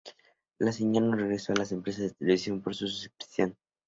La señal no regresó a las empresas de televisión por suscripción.